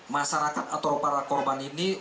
masyarakat atau para korban ini